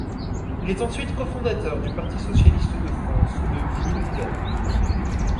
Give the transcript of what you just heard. Il est ensuite cofondateur du Parti socialiste de France de Jules Guesde.